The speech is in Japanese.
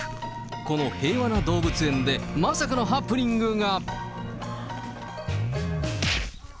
この平和な動物園でまさかのハプニングが。